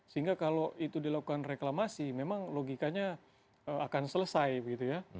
sehingga kalau itu dilakukan reklamasi memang logikanya akan selesai begitu ya